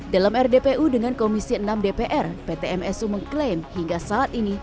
dalam rdpu dengan komisi enam dpr pt msu mengklaim hingga saat ini